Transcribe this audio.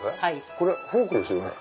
これフォークですよね。